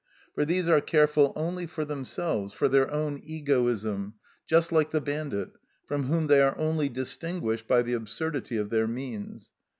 For these are careful only for themselves, for their own egoism, just like the bandit, from whom they are only distinguished by the absurdity of their means.